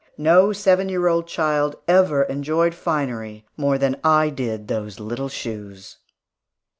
No seven year old child ever enjoyed finery more than I did those little shoes.